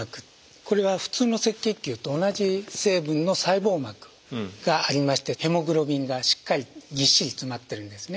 これは普通の赤血球と同じ成分の細胞膜がありましてヘモグロビンがしっかりぎっしり詰まってるんですね。